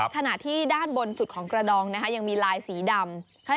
ขณะที่ด้านบนสุดของกระดองยังมีลายสีดำ